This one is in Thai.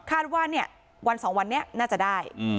คาดว่าเนี้ยวันสองวันนี้น่าจะได้อืม